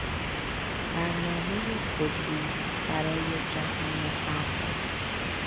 برنامهی کلی برای جهان فردا